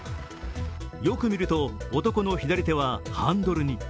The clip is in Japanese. よく見ると男の左手はハンドルに。